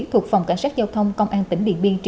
thuộc phòng cảnh sát giao thông công an